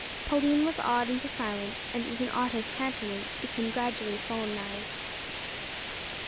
Pauline was awed into silence, and even Otto's countenance became gradually solemnised.